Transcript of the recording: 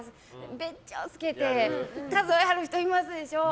べちゃーつけて数えはる人、いますでしょ。